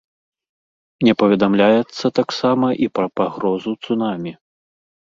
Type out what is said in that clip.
Не паведамляецца таксама і пра пагрозу цунамі.